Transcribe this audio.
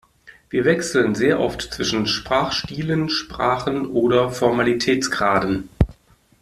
Wir wechseln sehr oft zwischen Sprachstilen, Sprachen oder Formalitätsgraden.